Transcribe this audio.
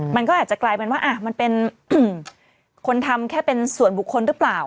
มันก็อาจจะกลายเป็นว่ามันเป็นคนทำแค่เป็นส่วนบุคคลหรือเปล่า